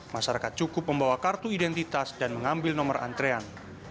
masyarakat cukup membawa kartu identitas dan mengambil nomor antrean